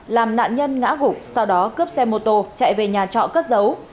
làm nạn nhân ngã gục sau đó cướp xe mô tô chạy về nhà trọ cất giấu